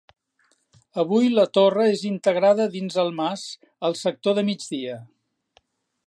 Avui la torre és integrada dins el mas, al sector de migdia.